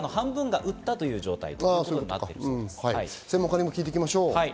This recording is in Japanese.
専門家にも聞いていきましょう。